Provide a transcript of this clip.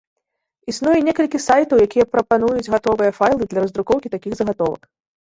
Існуе некалькі сайтаў, якія прапануюць гатовыя файлы для раздрукоўкі такіх загатовак.